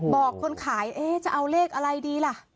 บอกคนขายจะเอาเลขอะไรดีล่ะ